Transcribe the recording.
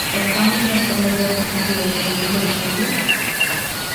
Aos cambios nas formas de ocio infantil e xuvenil, por exemplo?